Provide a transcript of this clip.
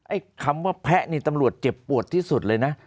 ไอ้คำว่าแพะนี่ตำรวจเจ็บปวดที่สุดเลยนะ